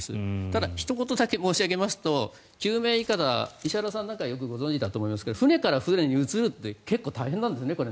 ただ、ひと言だけ申し上げますと救命いかだ、石原さんはよくご存じだと思いますが船から船に移るって結構大変なんですね。